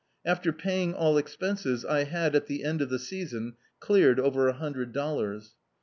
After pay ing all expenses, I had, at the end of the season, cleared over a hundred dollars.